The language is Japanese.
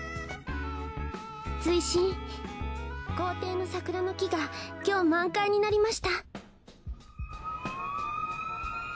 追伸校庭の桜の木が今日満開になりました」。